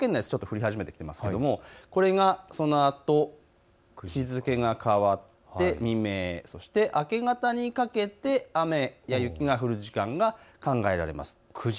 ちょっと降り始めていますけれどもこれがそのあと日付が変わって未明、そして明け方にかけて雨や雪が降る時間が考えられます。